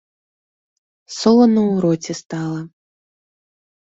Солана ў роце стала.